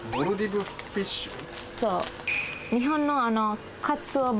そう。